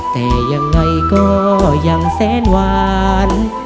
แต่ยังไงก็ยังแสนหวาน